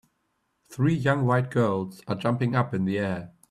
Three young white girls are jumping up in the air.